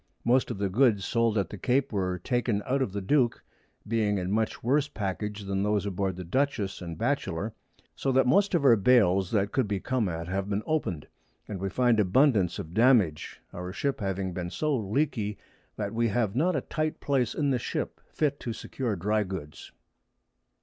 Most of the Goods sold at the Cape were taken out of the Duke, being in much worse Package than those aboard the Dutchess and Batchelor; so that most of our Bales that could be come at, have been open'd, and we find abundance of Damage, our Ship having been so long leaky, that we have not a tight Place in the Ship fit to secure dry Goods.